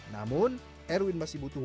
namun erwin masih butuh